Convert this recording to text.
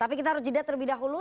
tapi kita harus jeda terlebih dahulu